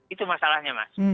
itu masalahnya mas